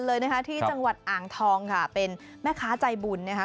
เลยนะคะที่จังหวัดอ่างทองค่ะเป็นแม่ค้าใจบุญนะคะ